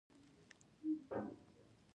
سبا به موږ د تیزابونو او القلي په اړه بحث کوو